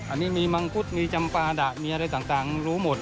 อันนี้มีมังคุดมีจำปาดะมีอะไรต่างรู้หมด